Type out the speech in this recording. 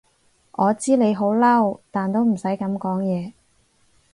我知你好嬲，但都唔使噉講嘢